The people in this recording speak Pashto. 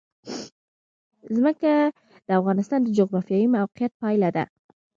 ځمکه د افغانستان د جغرافیایي موقیعت پایله ده.